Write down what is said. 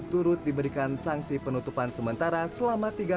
turut diberikan sanksi penutupan sementara selama tiga x dua puluh empat jam